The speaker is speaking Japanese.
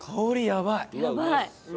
やばい。